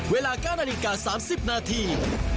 เวลา๙นาฬิกา๓๐นาที